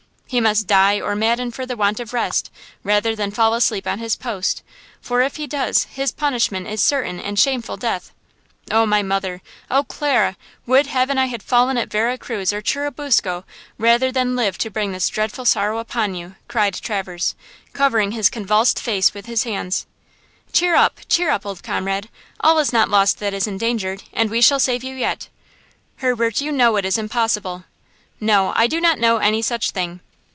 He must die or madden for the want of rest, rather than fall asleep on his post, for if he does, his punishment is certain and shameful death. Oh, my mother! Oh, Clara! Would heaven I had fallen at Vera Cruz or Churubusco, rather than live to bring this dreadful sorrow upon you," cried Traverse, covering his convulsed face with his hands. "Cheer up, cheer up, old comrade. All is not lost that is endangered, and we shall save you yet!" "Herbert, you know it is impossible." "No, I do not know any such thing!"